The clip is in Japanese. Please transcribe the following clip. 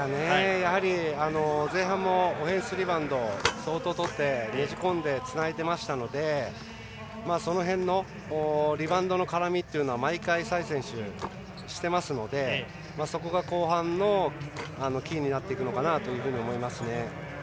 やはり、前半もオフェンスリバウンドを相当とって、ねじ込んでつないでましたのでその辺のリバウンドの絡みというのは毎回、サイズ選手、してますのでそこが後半のキーになっていくのかなと思います。